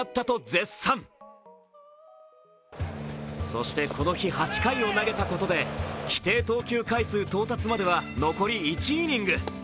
そしてこの日、８回を投げたことで規定投球回数到達までは残り１イニング。